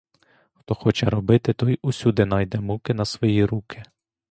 Хто хоче робити, той усюди найде муки на свої руки!